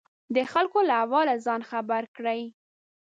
د خلکو له احواله ځان خبر کړي.